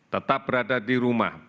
tetap berada di rumah